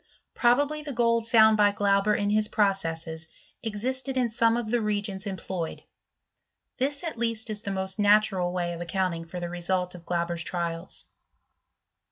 Probably the gold found by Qanb^ in his processes existed in some of the reagents employ ed ; this, at least, is the most natural way of account ing for the result of Glauber*s trials.